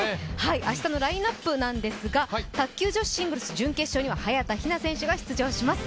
明日のラインナップなんですが卓球女子シングルス準決勝には早田ひな選手が出場します。